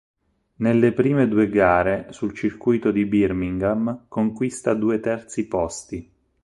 Nelle prime due gare sul circuito di Birmingham conquista due terzi posti.